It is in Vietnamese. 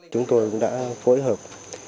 chúng tôi đã phối hợp